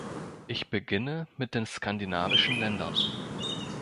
Ich beginne mit den skandinavischen Ländern.